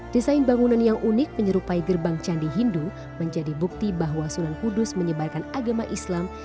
desain bangunan yang unik menyerupai gerbang candi hindu menjadi bukti bahwa sunan kudus menyebarkan agama islam